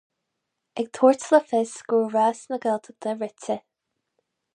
Ag tabhairt le fios go raibh rás na Gaeltachta rite.